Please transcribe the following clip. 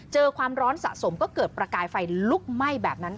ความร้อนสะสมก็เกิดประกายไฟลุกไหม้แบบนั้น